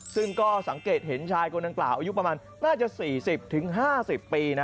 ซึ่งก็สังเกตเห็นชายคนดังกล่าวอายุประมาณน่าจะ๔๐๕๐ปีนะ